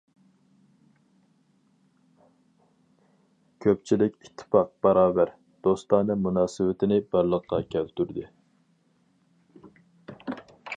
كۆپچىلىك ئىتتىپاق، باراۋەر، دوستانە مۇناسىۋىتىنى بارلىققا كەلتۈردى.